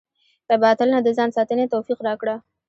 له باطل نه د ځان ساتنې توفيق راکړه.